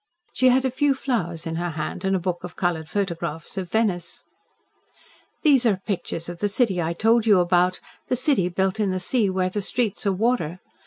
She had a few flowers in her hand, and a book of coloured photographs of Venice. "These are pictures of the city I told you about the city built in the sea where the streets are water.